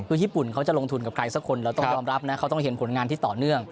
คือญี่ปุ่นเขาจะลงทุนกับใครสักคนเราต้องยอมรับนะเขาต้องเห็นผลงานที่ต่อเนื่อง